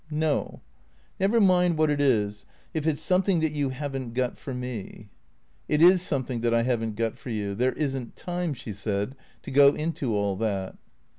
" No." " Never mind what it is, if it 's something that you have n't got for me." "It is something that I haven't got for you. There isn't time," she said, " to go into all that."